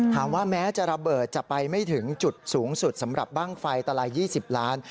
แม้จะระเบิดจะไปไม่ถึงจุดสูงสุดสำหรับบ้างไฟตลาย๒๐ล้าน